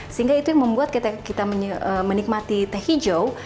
sehingga itu yang membuat kita menikmati teh hijau